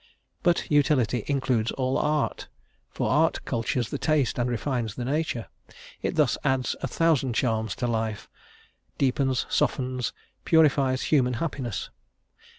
But utility includes all art; for art cultures the taste and refines the nature. It thus adds a thousand charms to life, deepens, softens, purifies human happiness.